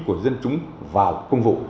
của dân chúng vào công vụ